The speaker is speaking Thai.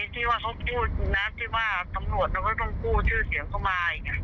ที่ว่าเขาพูดนะ